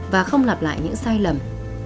và không lặp lại những sai lầm